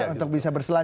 untuk bisa berselancar